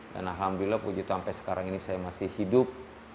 dan alhamdulillah puji tuhan sampai sekarang ini saya masih hidup